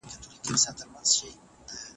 حرکت کې برکت دی.